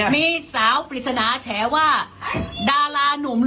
ไม่ซื้อเนาะไม่ซื้อ